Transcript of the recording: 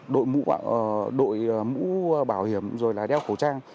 đội mũ bảo hiểm rồi là đeo khẩu trang